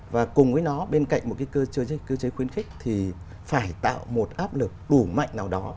và cùng với nó bên cạnh một cơ chế khuyến khích thì phải tạo một áp lực đủ mạnh nào đó